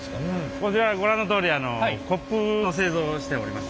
こちらご覧のとおりコップの製造しております。